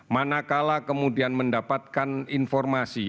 manakala kemudian mendapatkan informasi